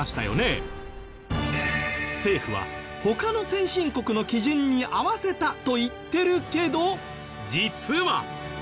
政府は他の先進国の基準に合わせたと言ってるけど実は。